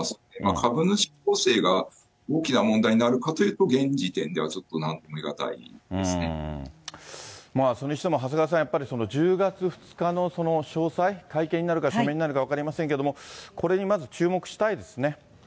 株主構成が大きな問題になるかというと、現時点ではちょっとなんそれにしても長谷川さん、やっぱり１０月２日の詳細、会見になるか書面になるか分かりませんけど、これにまず注目したいですね。